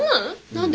何で？